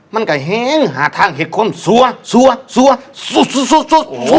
มันก็แห่งหาทางเห็ดความซัวซัวซัวซัวซัวซัว